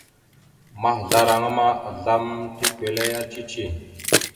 Mahəzlaraŋa ma, azlam tikweleya cici.